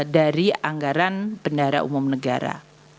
dari anggaran bendara umum negara